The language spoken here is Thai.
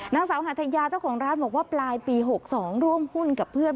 นางสาวหัทยาเจ้าของร้านบอกว่าปลายปี๖๒ร่วมหุ้นกับเพื่อน